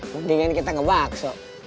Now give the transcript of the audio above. mendingan kita ngebakso